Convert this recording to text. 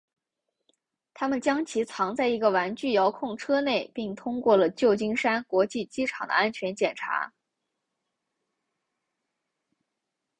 他们将其藏在一个玩具遥控车内并通过了旧金山国际机场的安全检查。